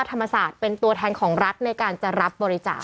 ธรรมศาสตร์เป็นตัวแทนของรัฐในการจะรับบริจาค